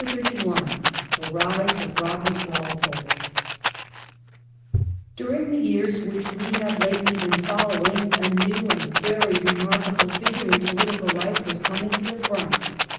CHAPTEE XXXI THE RISE OF ROBEET WALPOLE During the years which we have lately been follow ing a new and a very remarkable figure in political life was coming to the front.